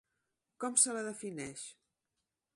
Com se la defineix?